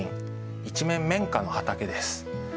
一面綿花の畑です。